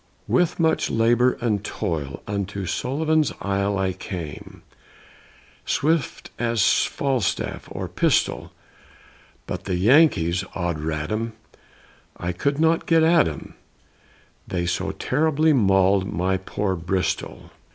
With much labor and toil Unto Sullivan's Isle, I came, swift as Falstaff, or Pistol; But the Yankees, od rat 'em I could not get at 'em, They so terribly maul'd my poor Bristol.